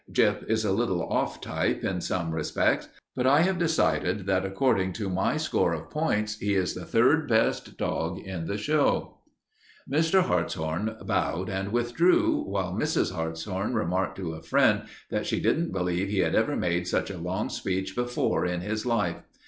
Gyp is a little off type in some respects, but I have decided that, according to my score of points, he is the third best dog in the show." [Illustration: Boston Terrier] Mr. Hartshorn bowed and withdrew, while Mrs. Hartshorn remarked to a friend that she didn't believe he had ever made such a long speech before in his life.